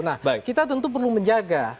nah kita tentu perlu menjaga